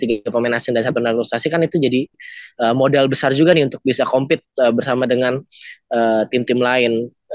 tiga pemain asing dan satu naralisasi kan itu jadi modal besar juga nih untuk bisa compete bersama dengan tim tim lain